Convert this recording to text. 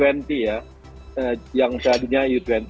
yang tadinya u dua puluh yang kemarin diundang